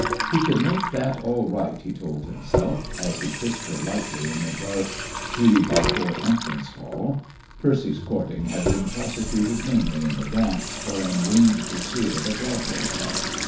He could make that all right, he told himself, as he kissed her lightly in the dark three by four entrance hall. Percy's courting had been prosecuted mainly in the Bronx or in winged pursuit of a Broadway car.